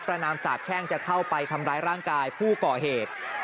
นามสาบแช่งจะเข้าไปทำร้ายร่างกายผู้ก่อเหตุ